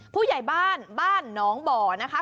ผู้ใหญ่บ้านบ้านหนองบ่อนะคะ